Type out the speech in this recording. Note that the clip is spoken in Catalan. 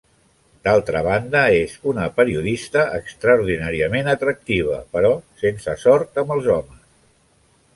D'altra banda, és una periodista extraordinàriament atractiva, però sense sort amb els homes.